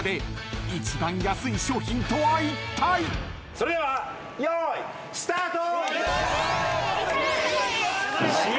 それではよーいスタート！